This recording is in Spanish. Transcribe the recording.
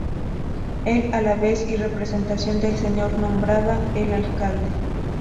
Él, a la vez, y en representación del señor, nombraba el alcalde.